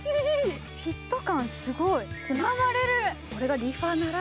フィット感すごい。